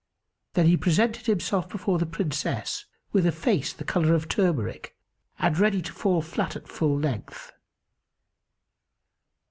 Then he presented himself before the Princess, with a face the colour of turmeric and ready to fall flat at full length.